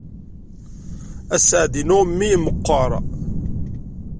Sseɛd-inu mmi meqqer.